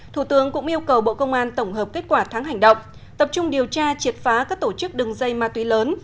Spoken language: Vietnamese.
thủ tướng cũng yêu cầu bộ công an tổng hợp kết quả tháng hành động tập trung điều tra triệt phá các tổ chức đừng dây ma túy lớn